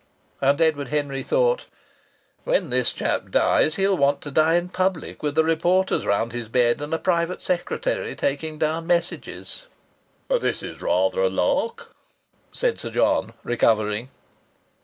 And Edward Henry thought: "When this chap dies he'll want to die in public, with the reporters round his bed and a private secretary taking down messages." "This is rather a lark," said Sir John, recovering.